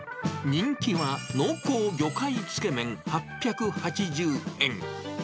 人気は、濃厚魚介つけ麺８８０円。